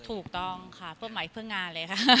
ถูกต้องค่ะเพื่อใหม่เพื่องานเลยค่ะ